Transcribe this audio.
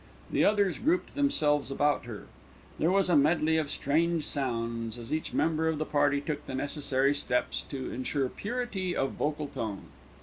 The others grouped themselves about her. There was a medley of strange sounds, as each member of the party took the necessary steps to ensure purity of vocal tone.